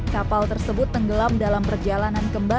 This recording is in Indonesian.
kapal tersebut tenggelam dalam perjalanan